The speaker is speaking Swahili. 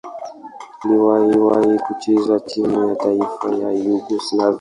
Aliwahi kucheza timu ya taifa ya Yugoslavia.